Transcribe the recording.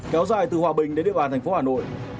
kéo dài từ hòa bình đến địa bàn thành phố hà nội